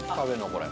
これ。